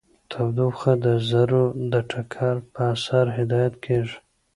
تودوخه د ذرو د ټکر په اثر هدایت کیږي.